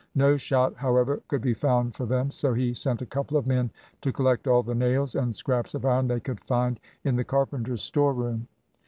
No shot, however, could be found for them, so he sent a couple of men to collect all the nails and scraps of iron they could find in the carpenter's store room.